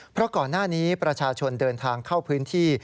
เพราะก่อนหน้านี้ประชาชนเดินทางเข้าพื้นที่